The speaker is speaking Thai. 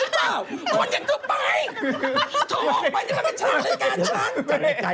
เค้าโถงมันก็ชะนั้นกัน